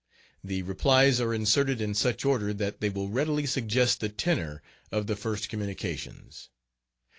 The replies are inserted in such order that they will readily suggest the tenor of the first communications.